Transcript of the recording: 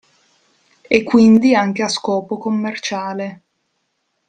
E quindi anche a scopo commerciale.